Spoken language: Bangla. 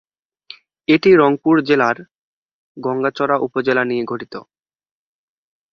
এটি রংপুর জেলার গংগাচড়া উপজেলা নিয়ে গঠিত।